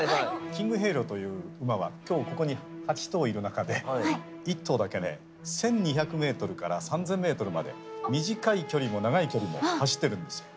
キングヘイローという馬は今日ここに８頭いる中で１頭だけね１，２００ｍから３，０００ｍまで短い距離も長い距離も走ってるんですよ。